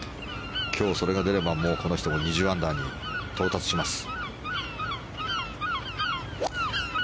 今日、それが出ればこの人も２０アンダーに到達します。